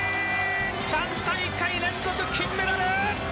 ３大会連続金メダル！